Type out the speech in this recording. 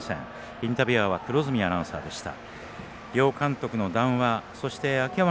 インタビュアーは黒住アナウンサーでした。